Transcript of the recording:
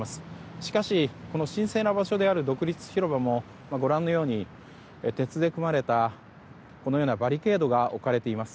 しかし、この神聖な場所である独立広場も鉄で組まれたバリケードが置かれています。